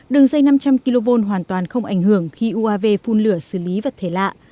đường dây năm trăm linh kv hoàn toàn không ảnh hưởng khi uav phun lửa xử lý vật thể lạ